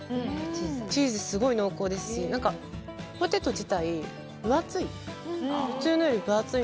チーズすごい濃厚ですしポテト自体、分厚い。